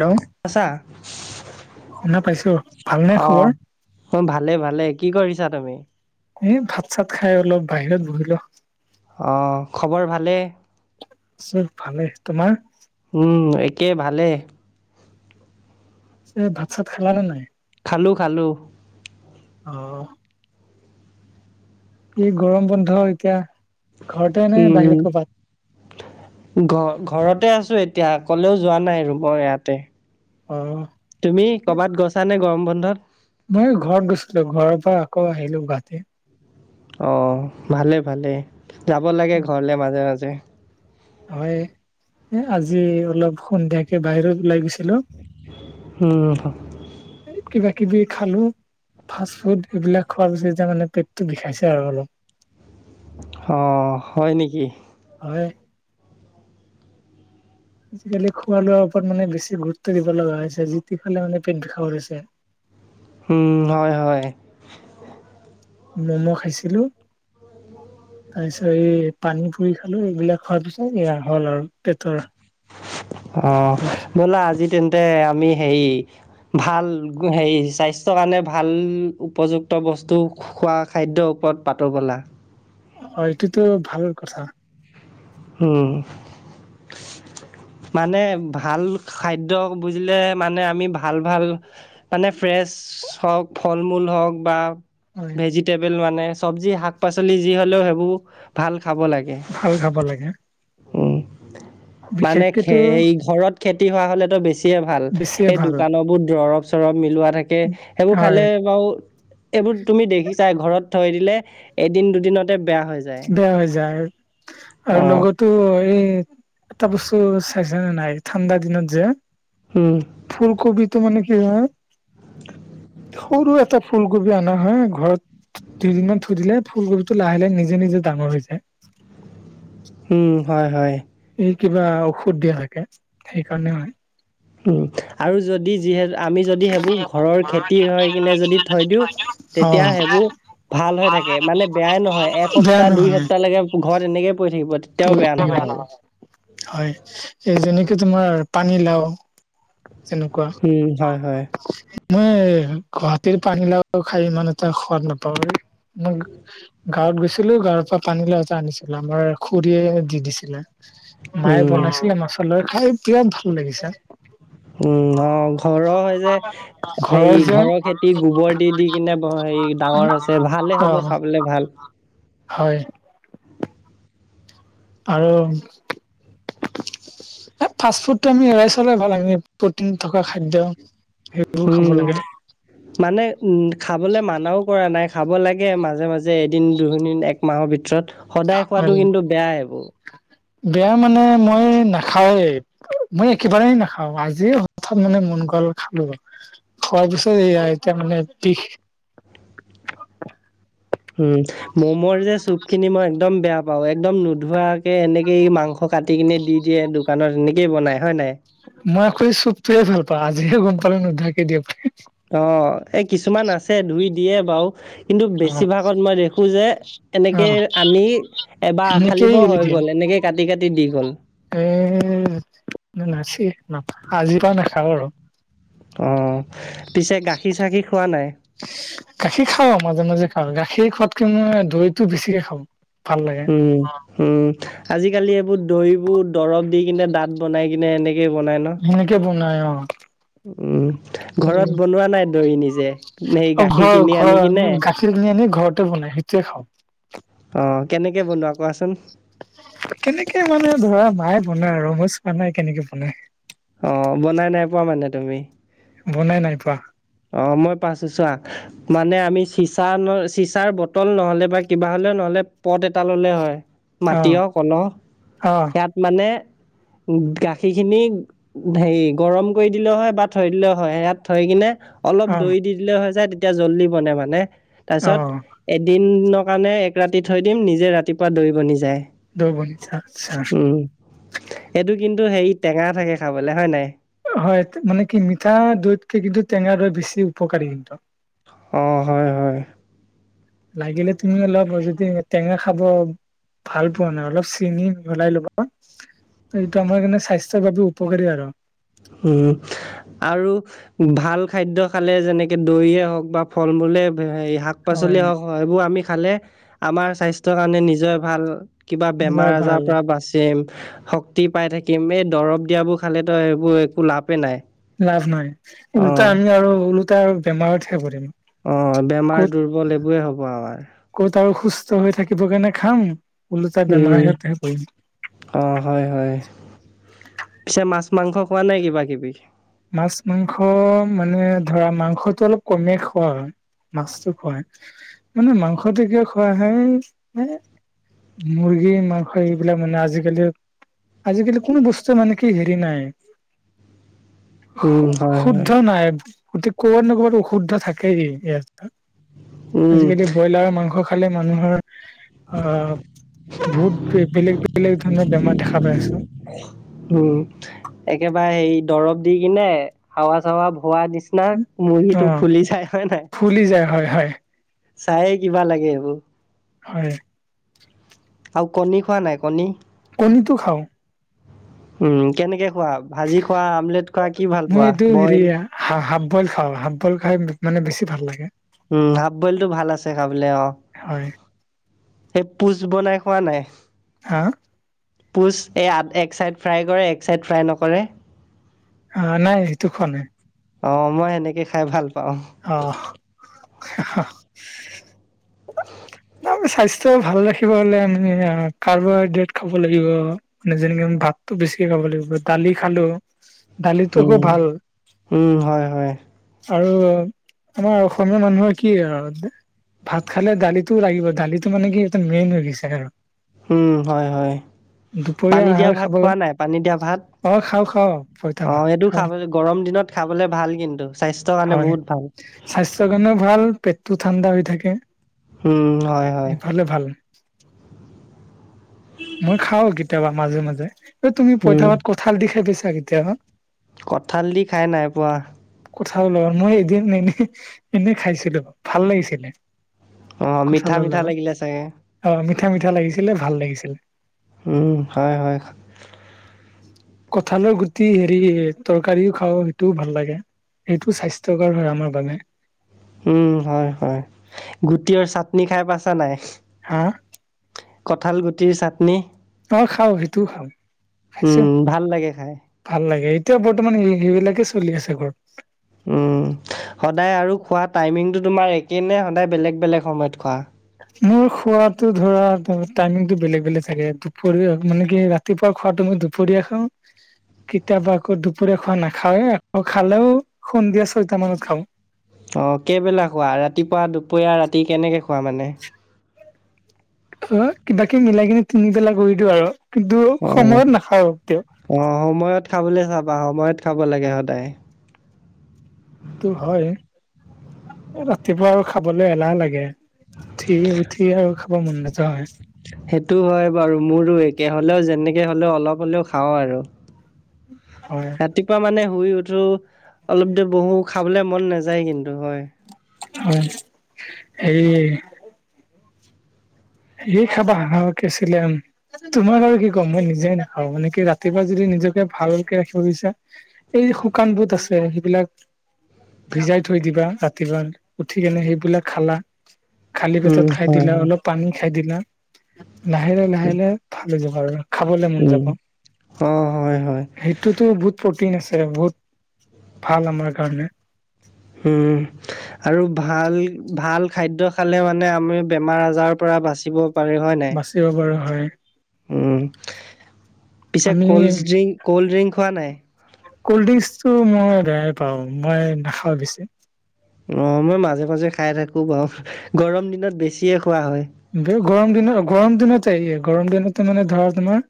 Hello আছা শুনা পাইছো ভালনে অ খবৰ অ ভালে ভালে কি কৰিছা তুমি এ ভাত চাত খাই অলপ বাহিৰত বহিলো অ খবৰ ভালেই চব ভালে তোমাৰ উম একে ভালে পিচে ভাত চাত খালা নে নাই খালো খালো অ এই গৰম বন্ধ এতিয়া ঘৰতে এনে বাহিৰত কবাত ঘ ঘৰতে আছো এতিয়া কলেও যোৱা নাই ৰুমৰ ইয়াতে অ তুমি কৰ'বাত গৈছা নে গৰম বন্ধত মই ঘৰত গৈছিলো ঘৰৰ পৰা আকৌ আহিলো গুৱাহাটী অ ভালেই ভালেই যাব লাগে ঘৰলে মাজে মাজে হয় এ আজি অলপ সন্ধিয়াকে বাহিৰত ওলাই গৈছে হেল্ল উম, এ কিবা কিবি খালো ফাষ্ট ফুড এইবিলাক খোৱাৰ পিছত যে মানে পেটটো বিষাইছে আৰু অলপ অ হয় নেকি হয় আজিকালি খোৱা লোৱাৰ ওপৰত মানে বেছি গুৰুত্ব দিব লগা হৈছে যি তি খালে মানে পেট বিষাব লৈছে উম হয় হয় ম'ম খাইছিলো তাৰ পিছত এই পানী পুৰি খালো এইবিলাক খোৱাৰ পিছত এয়া হ'ল আৰু পেটৰ অ বিষ বলা আজি তেন্তে আমি হেৰি ভাল হেৰি স্বাস্থ্যৰ কাৰণে ভাল উপযুক্ত বস্তু খোৱা খাদ্যৰ ওপৰত পাতো বলা অ এইটোটো ভাল কথা উম মানে ভাল খাদ্য বুজিলে মানে আমি ভাল ভাল মানে ফ্ৰেছ হওক ফল মূল হওক বা হয় ভেজিটেবল মানে চব্জি শাক পাচলি যি হলেও সেইবোৰ ভাল খাব লাগে ভাল খাব লাগে উম। মানে খে বিশেষকেতো সেই ঘৰত খেতি হোৱা হলেতো বেছিয়ে ভাল বেছিয়ে এই ভাল দোকান বোৰ দৰৱ চৰব মিলোৱা থাকে সেইবোৰ হয় খালে বাৰু এইবোৰ তুমি দেখিছাই ঘৰত থৈ দিলে এদিন দুদিনতে বেয়া হৈ যায় বেয়া হৈ যায় আৰু অঁ, লগত ত' এই এটা বস্তু চাইছা নে নাই ঠাণ্ডা দিনত যে উম ফুলকবিটো মানে কি হয় সৰু এটা ফুলকবি অনা হয় ঘৰত দুদিনমান থৈ দিলে ফুলকবি টো লাহে লাহে নিজে নিজে ডাঙৰ হৈ যায় উম হয় হয় এই কিবা ঔষধ দিয়া থাকে সেইকাৰণে হয় উম আৰু যদি যিহেত আমি যদি সেইবোৰ ঘৰৰ খেতি হৈ কিনে যদি থৈ দিওঁ তেতিয়া অ সেইবোৰ ভাল হৈ থাকে মানে বেয়াই নহয় বেয়া এসপ্তাহ দুই নহয় সপ্তাহ লেকে ঘৰত এনেকে পৰি থাকিব তেতিয়াও বেয়া নহয় সেইবোৰ। [unintelligible] হয় এই যেনেকে তোমাৰ পানী লাও তেনেকুৱা উম, হয় হয়। মই গুৱাহাটীৰ পানীলাওটো খাই ইমান এটা সোৱাদ নাপাওঁ আৰু মো গাঁৱত গৈছিলো গাঁৱৰ পৰা পানী লাও এটা আনিছিলো আমাৰ খুৰীয়ে দি দিছিলে মায়ে উম, বনাইছিলে মাছ লৈ খাই বিৰাট ভাল লাগিছে উম অ ঘৰৰ যে হেৰি ঘৰৰ খেতি গোবৰ দি দি কিনে বৰ হেৰি ডাঙৰ হৈছে ভালে অ হ'ব খাবলে ভাল হয় আৰু হে ফাষ্ট ফুডটো আমি এৰাই চলাই ভাল আমি প্ৰটিন থকা খাদ্য হে উম মানে খাবলৈ মানাও কৰা নাই খাব লাগে মাজে মাজে এদিন দুদিন এক মাহৰ ভিতৰত সদায় খোৱাটো কিন্তু বেয়াই এইবোৰ বেয়া মানে মই নাখাওৱেই মই একেবাৰেই নাখাও আজি হঠাৎ মানে মন গাল খালো আৰ খোৱাৰ পিছত এইয়া এতিয়া মানে বিষ উম মমৰ যে চুপ খিনি মই একদম বেয়া পাও একদম নোধুৱাকে এনেকে ই মাংস কাটিকিনে দি দিয়ে দোকানত এনেকেই বনায় হয় নাই মই আক এই চুপটোৱে ভাল পাওঁ আজিহে গম পালোং নুধুৱাকে দিয়ে বুলি অ এই কিছুমান আছে ধুই দিয়ে বাও কিন্তু অ বেছিভাগত মই দেখোঁ যে এনেকে আনি এবাৰ আখালিব সেনেকেই এৰি হৈ দিম গ'ল এনেকে কাটি কাটি দি গল এ না নাচি নাপা আজিৰ পা নাখাওঁ আৰু অঁ পিছে গাখীৰ চাখীৰ খোৱা নাই গাখীৰ খাওঁ মাজে মাজে খাওঁ গাখীৰ খোৱাতকে মই দৈ টো বেছিকে খাওঁ ভাল লাগে উম হুম আজিকালি এইবোৰ দৈ বোৰ দৰৱ দি কিনে দাঠ বনাই কিনে এনেকে বনাই ন সেনেকে বনাই অ উম এই ঘৰত বনোৱা নাই দৈ নিজে সেই অ গাখীৰ ঘৰ কিনি ঘৰ আনি কিনে গাখীৰ কিনি আনি ঘৰতে বনাই সেইটোৱে খাওঁ অ কেনেকে বনোৱা কোৱাচোন কেনেকে মানে ধৰা মায়ে বনাই আৰু মই চোৱা নাই কেনেকে বনাই অ বনাই নাই পোৱা মানে তুমি বনাই নাই পোৱা অ মই পাইছো চোৱা মানে আমি চিচা ন চিচাৰ বটল নহলে বা কিবা হলেও নহলে পট এটা ললে হয় অ মাটিয় কলহ অ সিয়াত মানে গাখীৰখিনি হেৰি গৰম কৰি দিলেও হয় বা থৈ দিলেও হয় ইয়াত থৈ কিনে অলপ অ দৈ দি দিলে হৈ যায় তেতিয়া জল্দি বনে মানে অ তাৰপিছত এদিনৰ কাৰণে এক ৰাতি থৈ দিম নিজে ৰাতিপুৱা দৈ বনি যায়। দৈ বনি আছা উম এইটো কিন্তু হেৰি টেঙা থাকে খাবলৈ হয় নাই হয় মানে কি মিঠা দৈত কে কিন্তু টেঙা দৈ বেছি উপকাৰী কিন্তু অ হয় হয় লাগিলে তুমি অলপ যদি টেঙা খাব ভাল পোৱা নাই অলপ চেনি মিহলাই ল'বা। এইটো আমাৰ কাৰণে স্বাস্থ্যৰ বাবে উপকাৰী আৰু উম আৰু ভাল খাদ্য খালে যেনেকে দৈয়ে হওক বা ফল মূলে শাক শাক হয় পাচলি হওক সেইবোৰ আমি খালে আমাৰ স্বাস্থ্যৰ কাৰণে নিজৰ ভাল কিবা বেমাৰ যাৰ আজাৰৰ ভাল পৰা বাচিম পাই থাকিম এই দৰব দিয়াবোৰ খালেতো সেইবোৰ একো লাভেই নাই লাভ নাই অ ওলোটা আমি আৰু ওলোটা বেমাৰতহে পৰিম অ বেমাৰ ক'ত দুৰ্বল এইবোৰে হ'ব আমাৰ ক'ত আৰু সুস্থ হৈ থাকিবৰ কাৰণে খাম ওলোটা বেমাৰতহে পৰিম। অঁ হয় হয় পিছে মাছ মাংস খোৱা নাই কিবা কিবি? মাছ মাংস মানে ধৰা মাংসটো অলপ কমে খোৱা হয়। মাছটো খুৱাই মানে মাংসটো কিয় খুৱাই হয়? মুৰ্গী মাংস এইবিলাক মানে আজিকালি আজিকালি কোনো বস্তু মানে কি হেৰি নাই উম হয় শুদ্ধ হয় নায় গতিকে ক'ৰবাত ন ক'ৰবাত অশুদ্ধ থাকেই ইয়াত উম আজিকালি ব্ৰইলাৰ মাংস খালে মানুহৰ, অ বহুত বেলেগ বেলেগ ধৰণৰ বেমাৰ দেখা পাই আছোঁ। উম একেবাৰে হে দৰব দি কিনে হাৱা চাৱা ভোৰাই দিছে নাক অ মু়টো ফুলি যায় হয় নাই ফুলি যায় হয় হয় চায়ে কিবা লাগে এইবোৰ হয় আৰু কণী খোৱা নাই কণী? কণীটো খাওঁ। উম কেনেকে খোৱা ভাজি খোৱা আমলেট খোৱা কি ভাল মই পোৱা এইটো হেৰি বইল হা হফ বইল খাওঁ হফ বইল খাই মানে বেছি ভাল লাগে। উম হাফ বইলটো ভাল আছে খাবলৈ অ হয় সেই পুচ বনাই খোৱা নাই? হা পুচ এই আ এক চাইড ফ্ৰাই কৰে এক চাইড ফ্ৰাই নকৰে। অ নাই সেইটো খোৱা নাই। অ মই সেনেকে খাই ভাল পাওঁ। অ স্বাস্থ্য ভাল ৰাখিব হলে আমি কাৰ্বহাইড্ৰেট খাব লাগিব। মানে যেনেকে আমি ভাতো বেছিকে খাব লাগিব দালি খালোঁ। দালিতো খুব উম ভাল। উম হয় হয় আৰু আমাৰ অসমীয়া মানুহে কি আৰু ভাত খালে দালিত টো লাগিব দালিতটো মানে কি এটা মেইন হৈ গৈছে আৰু উম হয় হয়। দুপৰীয়া পানী দিয়া আহাৰ ভাত খাব খোৱা নাই, পানী দিয়া ভাত অ খাওঁ খাওঁ পইতা ভাত অৱ এইটো খাওঁ খাব গৰম দিনত খাবলৈ ভাল কিন্তু স্বাস্থ্যৰ কাৰণে হয়, বহুত ভাল স্বাস্থ্যৰ কাৰণেও ভাল পেটটো ঠাণ্ডা হৈ থাকে। উম হয় হয়। হ'লে ভাল। মই খাও কেতিয়াবা মাজে মাজে এ তুমি উম পইতাবাত কঁঠাল দি খাই পাইছা কেতিয়াবা? কঁঠাল দি খায় নাই পোৱা। কঁঠাল লগত লগ মই এদিন এনেই এনেই খাইছিলো ভাল লাগিছিলে। অ মিঠা কঁঠালৰ মিঠা লগত লাগিলে চাগে। অ মিঠা মিঠা লাগিছিলে ভাল লাগিছিল। উম হয় হয়। কঁঠালৰ গুটি হেৰি তৰকাৰিও খাওঁ সেইটোও ভাল লাগে। সেইটো স্বাস্থ্যকাৰ হয় আমাৰ বাবে। উম হয় হয়, গুটিয়ৰ চাটনি খাই পাইছা নাই? হা কঁঠাল গুটিৰ চাটনি? অৱ খাওঁ সেইটোও খাওঁ। খাইছো উম ভাল লাগে খাই। ভাল লাগে এতিয়া বৰ্তমান সেইবিলাকে চলি আছে ঘৰত। উম, সদায় আৰু খোৱা টাইমিংটো তোমাৰ একে নে সদায় বেলেগ বেলেগ সময়ত খোৱা! মোৰ খোৱাতো ধৰা টাইমিংটো বেলেগ বেলেগ থাকে দুপৰীয়াহত মানে কি ৰাতিপুৱা খোৱা তু মই দুপৰীয়া খাও কেতিয়াবা আকৌ দুপৰীয়া খোৱা নাখওেই আকৌ খালেও সন্ধিয়া ছয়টা মানত খাওঁ। অ কেইবেলা খোৱা ৰাতিপুৱা দুপৰীয়া ৰাতি কেনেকৈ খোৱা মানে? অ কিবাকি মিলাই কিনে তিনিবেলা কৰি দিও আৰু কিন্তু অ', সময়ত নাখাওঁ কেতিয়াও। অ সময়ত খাবলৈ চাবা সময়ত খাব লাগে সদায়। টো হয় ৰাতিপুৱা আৰু খাবলৈ এলাহ লাগে। উঠি উঠি আৰু খাব মন নোযোৱা হয়। সেইটো হয় বাৰু মোৰো একে হলেও যেনেকে হ'লেও অলপ হ'লেও খাওঁ আৰু। হয়। ৰাতিপুৱা মানে শুই উঠো অলপ দেৰি বহো খাবলৈ মন নাযায় কিন্তু হয়। হয়, হেৰী সেই খাবা [unintelligible] তোমাক আৰু কি ক'ম মই নিজে নাখাও মানে কি ৰাতিপুৱা যদি নিজকে ভালকে ৰাখিব বিছা। এই শুকান বুট আছে সেইবিলাক ভিজাই থৈ দিবা ৰাতিপুৱা উঠিকনে সেইবিলাক খালা। খালী পেটত উম, খাই হয় দিলা হয়। অলপ পানী খাই দিলা লাহে লাহ লাহে লাহে ভাল হৈ যাবা আৰু খাবলৈ মন যাব। অৱ হয়। হয়। সেইটোতো বহুত প্ৰটিন আছে বহুত ভাল আমাৰ কাৰণে। উম। আৰু ভাল ভাল খাদ্য খালে মানে আমি বেমাৰ আজাৰৰ পৰা বাচিব পাৰি হয় নাই। দিব পাৰ হয় পিছে আমি ক'ল্ড ড্ৰিংক ক'ল্ড ড্ৰিংক খোৱা নাই ক'ল্ড ড্ৰিংকচটো মই বেয়াই পাওঁ মই নাখাওঁ বেছি। অ মই মাজে মাজে খাই থাকো বাৰু গৰম দিনত বেছিয়ে খোৱা হয়। গৰম দিনত গৰম দিনতে ই গৰম দিনতে মানে ধৰা তোমাৰ-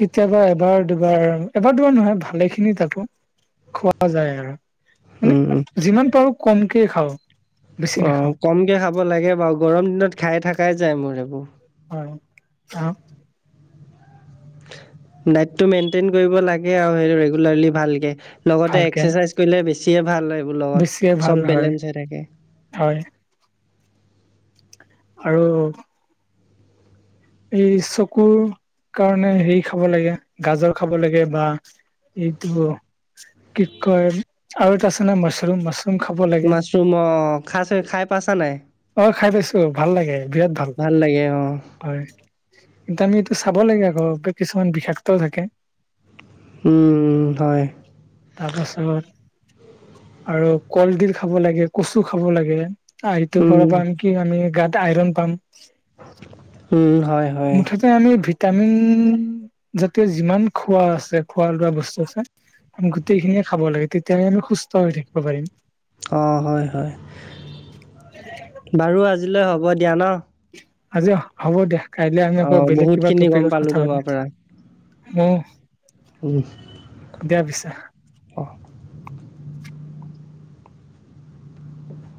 কেতিয়াবা এবাৰ দুবাৰ এবাৰ দুবাৰ নহয় ভালে খিনি তাকো খোৱা যায় আৰু মানে উম, উম, যিমান পাৰো কমকে খাওঁ। বেছি অ নাখাওঁ কমকে খাব লাগে বাৰু গৰম দিনত খাই থাকাই যায় মোৰ এইেইবোৰ হয় অ- ডাইটটো মেইনটেইন কৰিব লাগে আৰু সেই ৰেগুলাৰলি ভালকে লগতে ভালকে একাৰচাইজ কৰিলে বেছিয়ে ভাল লবোৰ লগত বেছিয়ে ভাল চব হয় বেলেঞ্চ হৈ থাকে। হয় আৰু এই চকুৰ কাৰণে হেৰি খাব লাগে গাজৰ খাব লাগে। বা এইটো কি কয় আৰু এটা আছে ন মছৰুম মছৰুম তম খাব লাগে মাছৰুম অ' খাইছে খাই পাইছা নাই? অ খাই পাইছো ভাল লাগে বিৰাট ভাল ভাল লাগে অঁ হয় কিন্তু আমি এইটো চাব লাগে আকৌ কিছুমান বিষাক্তও থাকে। হয় তাৰপাছত আৰু কলডিল, খাব লাগে কচু, খাব লাগে। আ ইটোৰ উম পৰা পাম কি আমি গাত আইৰন পাম। উম হয়। হয় মুঠতে আমি ভিটামিন জাতীয় যিমান খোৱা আছে খোৱা লোৱা বস্তু আছে। আমি গোটেইখিনিয়ে খাব লাগে তেতিয়াহে আমি সুস্থ হৈ থাকিব পাৰিম। অ হয় হয়। বাৰু আজিলৈ হ'ব দিয়া ন। আজি অ হ'ব দিয়া। কাইলে আমি অ আকৌ বেলেগ বহুত কিবা খিনি গম টপিকত পালো কথা তোমাৰ পাতিম। পৰা উম দিয়া পিছে অ